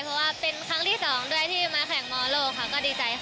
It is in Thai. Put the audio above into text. เพราะว่าเป็นครั้งที่สองด้วยที่มาแข่งมอลโลกค่ะก็ดีใจค่ะ